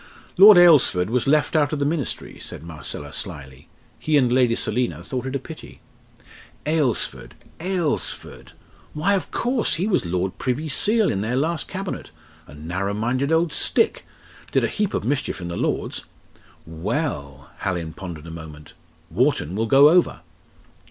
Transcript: "Lord Alresford was left out of the Ministry," said Marcella slily. "He and Lady Selina thought it a pity." "Alresford Alresford? Why, of course! He was Lord Privy Seal in their last Cabinet a narrow minded old stick! did a heap of mischief in the Lords. Well!" Hallin pondered a moment "Wharton will go over!"